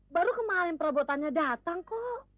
baru kemarin perabotannya datang kok